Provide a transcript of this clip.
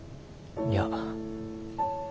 いや。